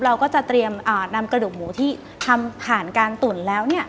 เราก็จะเตรียมนำกระดูกหมูที่ทำผ่านการตุ๋นแล้ว